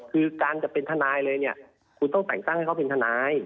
คือการจะเป็นทนายเลยเนี่ยคุณต้องแต่งตั้งให้เขาเป็นทนาย